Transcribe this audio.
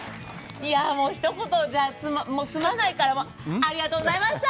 いや一言じゃ済まないから、ありがとうございました。